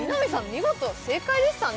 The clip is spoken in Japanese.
見事正解でしたね